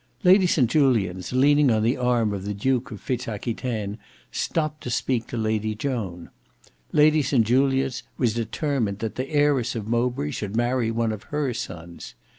Lady St Julians leaning on the arm of the Duke of Fitz Aquitaine stopped to speak to Lady Joan. Lady St Julians was determined that the heiress of Mowbray should marry one of her sons.